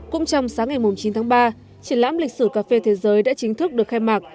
cũng trong sáng ngày chín tháng ba triển lãm lịch sử cà phê thế giới đã chính thức được khai mạc